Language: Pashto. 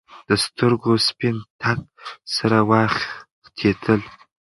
د سترګو سپین تک سره واوختېدل.